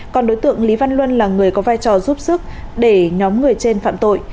còn đối tượng lý văn luân là người có vai trò giúp sức để nhóm người trên phạm tội